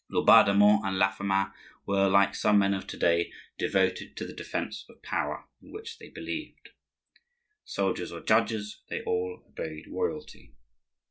Laubardemont and Laffemas were, like some men of to day, devoted to the defence of power in which they believed. Soldiers or judges, they all obeyed royalty.